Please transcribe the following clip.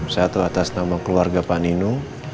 satu atas nama keluarga pak nino